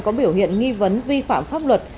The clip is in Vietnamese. có biểu hiện nghi vấn vi phạm pháp luật